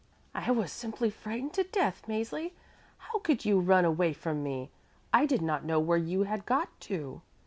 "I was simply frightened to death, Mäzli. How could you run away from me? I did not know where you had got to."